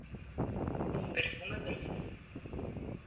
Un perfume profundo.